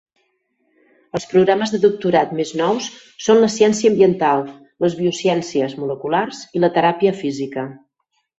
Els programes de doctorat més nous són la ciència ambiental, les biociències moleculars i la teràpia física.